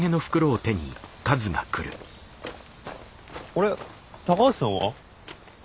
あれ高橋さんは？